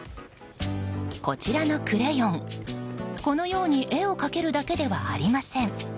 こちらのクレヨン、このように絵を描けるだけではありません。